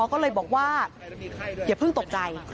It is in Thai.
ก็เลยบอกว่าอย่าเพิ่งตกใจ